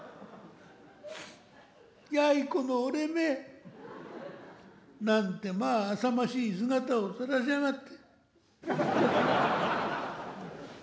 「やいこの俺め。なんてまああさましい姿をさらしやがって」。